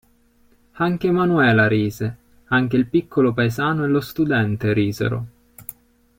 Anche Manuela rise, anche il piccolo paesano e lo studente risero.